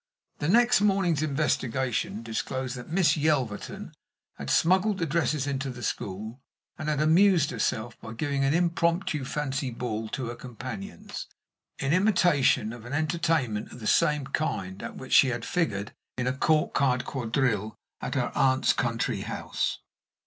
The next morning's investigation disclosed that Miss Yelverton had smuggled the dresses into the school, and had amused herself by giving an impromptu fancy ball to her companions, in imitation of an entertainment of the same kind at which she had figured in a "court card" quadrille at her aunt's country house.